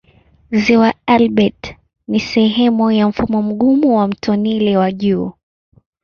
Ziwa Albert ni sehemu ya mfumo mgumu wa mto Nile wa juu.